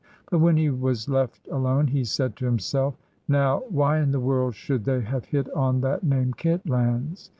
But when he was left alone, he said to himself, "Now, why in the world should they have hit on that name Kitlands?